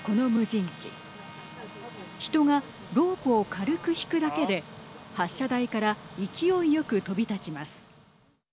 人がロープを軽く引くだけで発射台から勢いよく飛び立ちます。